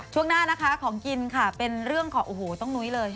ช่วงหน้านะคะของกินค่ะเป็นเรื่องของโอ้โหต้องนุ้ยเลย